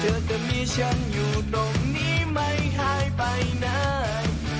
จะมีฉันอยู่ตรงนี้ไม่หายไปไหน